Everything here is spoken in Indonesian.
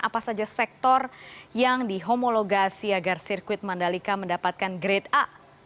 apa saja sektor yang dihomologasi agar sirkuit mandalika mendapatkan grade a